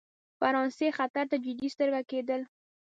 فرانسې خطر ته جدي سترګه کېدل.